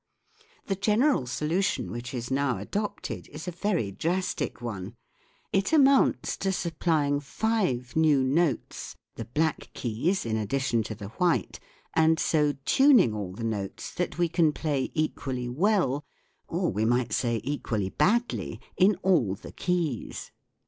The general solution which is now adopted is a very drastic one ; it amounts to supplying five new notes, the black keys in addition to the white, and so tuning all the notes that we can play equally well or, we might say, equally badly in all the keys.